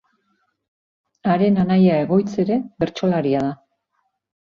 Haren anaia Egoitz ere bertsolaria da.